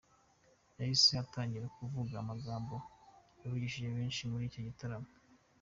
Yahise atangira kuvuga amagambo yavugishije benshi muri icyo gitaramo.